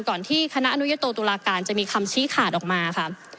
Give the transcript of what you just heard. ที่คณะอนุยโตตุลาการจะมีคำชี้ขาดออกมาค่ะ